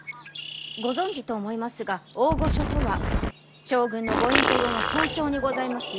ご存じと思いますが大御所とは将軍のご隠居後の尊称にございますよ。